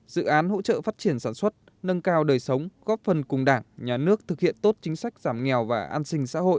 dự án hỗ trợ phát triển sản xuất nâng cao đời sống góp phần cùng đảng nhà nước thực hiện tốt chính sách giảm nghèo và an sinh xã hội